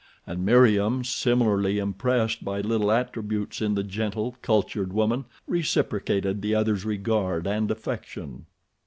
And Meriem, similarly impressed by little attributes in the gentle, cultured woman, reciprocated the other's regard and affection.